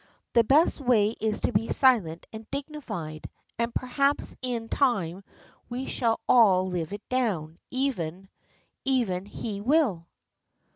The best way is to be silent and dignified, and perhaps in time we shall all live it down, even — even he will.